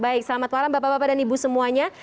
baik selamat malam bapak bapak dan ibu semuanya